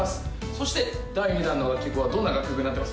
そして第２弾の楽曲はどんな楽曲になってますか？